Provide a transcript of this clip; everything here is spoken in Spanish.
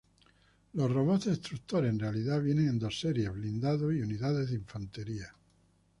Los robots destructores en realidad vienen en dos series: blindados y unidades de infantería.